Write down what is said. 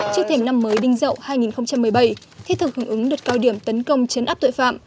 trước thềm năm mới đinh dậu hai nghìn một mươi bảy thiết thực hưởng ứng đợt cao điểm tấn công chấn áp tội phạm